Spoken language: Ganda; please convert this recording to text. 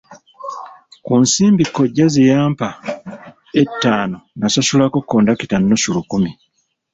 Ku nsimbi kkojja ze yampa ettaano nasasulako kondakita nnusu lukumi.